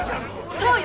そうよ！